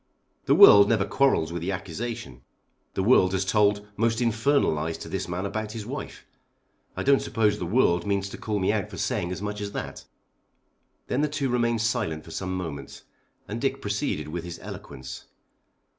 The world never quarrels with the accusation. The world has told most infernal lies to this man about his wife. I don't suppose the world means to call me out for saying as much as that." Then the two remained silent for some moments and Dick proceeded with his eloquence.